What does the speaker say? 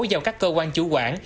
giao các cơ quan chủ quản